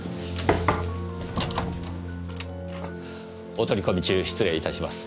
お取り込み中失礼いたします。